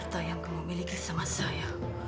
harta yang kamu miliki sama saya